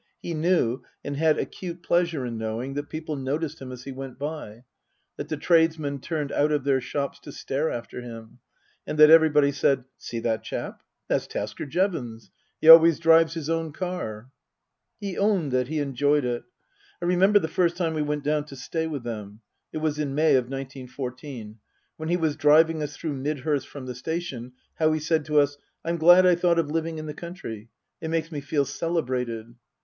He knew and had acute pleasure in knowing that people noticed him as he went by ; that the tradesmen turned out of their shops to stare after him ; and that everybody said, " See that chap ? That's Tasker Jevons. He always drives his own car/' He owned that he enjoyed it. I remember the first time we went down to stay with them (it was in May of nineteen fourteen), when he was driving us through Midhurst from the station, how he said to us, " I'm glad I thought of living in the country. It makes me feel celebrated."